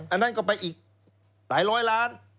อันนั้นก็ไปอีกหลายร้อยล้าน